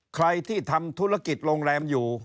ใครที่ทำธุรกิจโรงแรมอยู่